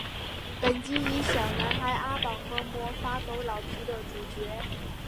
本集以小男孩阿宝和魔法狗老皮为主角。